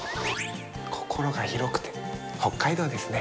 心が広くて北海道ですね。